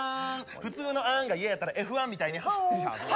普通のあんが嫌やったらＦ１みたいにファーンファーン。